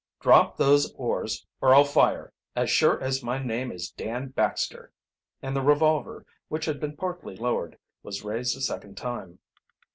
"Drop those oars or I'll fire, as sure as my name is Dan Baxter," and the revolver, which had been partly lowered, was raised a second time.